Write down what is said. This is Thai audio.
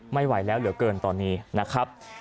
ไม่ไหวแล้วเหลือเกินตอนนี้นะครับ